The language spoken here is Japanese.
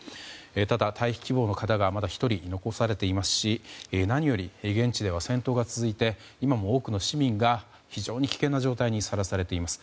ただ、退避希望の方がまだ１人残されていますし何より現地では戦闘が続いて今も多くの市民が非常に危険な状態にさらされています。